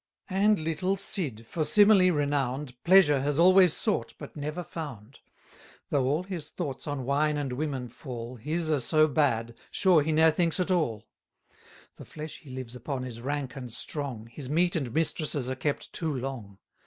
And little Sid, for simile renown'd, Pleasure has always sought but never found: Though all his thoughts on wine and women fall, 210 His are so bad, sure he ne'er thinks at all. The flesh he lives upon is rank and strong, His meat and mistresses are kept too long.